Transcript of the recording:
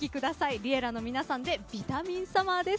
Ｌｉｅｌｌａ！の皆さんで「ビタミンＳＵＭＭＥＲ！」です。